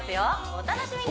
お楽しみに！